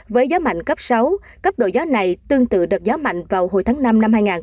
với gió mạnh cấp sáu cấp độ gió này tương tự đợt gió mạnh vào hồi tháng năm năm hai nghìn hai mươi